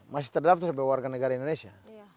masih terdaftar sebagai warga negara indonesia